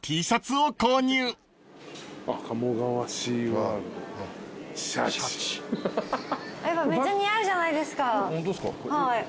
はい。